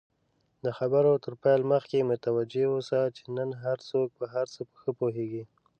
د خبرو تر پیل مخکی متوجه اوسه، چی نن هرڅوک په هرڅه ښه پوهیږي!